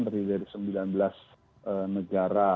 terdiri dari sembilan belas negara